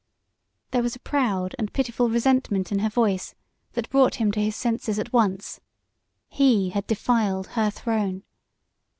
There was a proud and pitiful resentment in her voice that brought him to his senses at once. He had defiled her throne.